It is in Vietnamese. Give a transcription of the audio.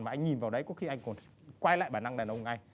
mà anh nhìn vào đấy có khi anh còn quay lại bản năng này ông ngay